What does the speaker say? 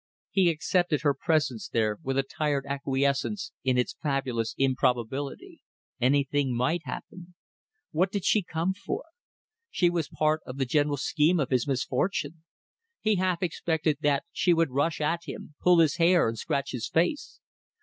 He accepted her presence there with a tired acquiescence in its fabulous improbability. Anything might happen. What did she come for? She was part of the general scheme of his misfortune. He half expected that she would rush at him, pull his hair, and scratch his face.